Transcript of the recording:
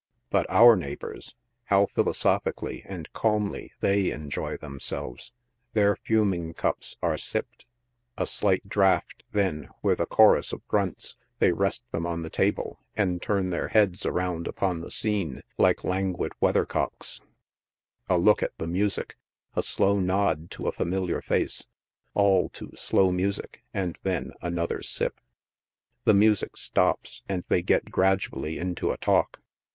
But our neighbors! how philosophically, how calm ly, they enjoy themselves. Their fuming cups are sipped, a slight draught, then, with a chorus of grunts, they rest them on the table and turn their heads around upon the ^ccne, like languid weather cocks — a look at the music, a slow nod to a familiar face — ail to slow music, and then another sip. The music stops and they get gradually into a talk.